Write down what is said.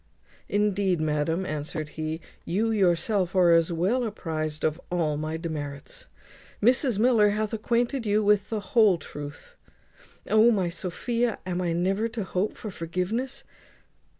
"Indeed, madam," answered he, "you yourself are as well apprized of all my demerits. Mrs Miller hath acquainted you with the whole truth. O! my Sophia, am I never to hope for forgiveness?"